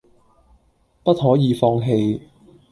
不可以放棄！